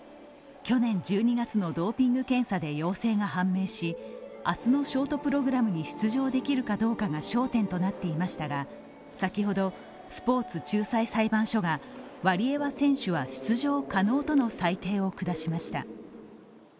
去年１２月のドーピング検査で陽性が判明し、明日のショートプログラムに出場できるかどうかが焦点となっていましたが、先ほどスポーツ仲裁裁判所がワリエワ選手は出場可能との裁定を下しました。